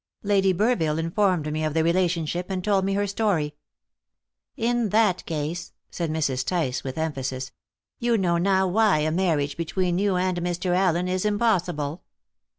Lady Burville informed me of the relationship, and told me her story." "In that case," said Mrs. Tice with emphasis, "you know now why a marriage between you and Mr. Allen is impossible."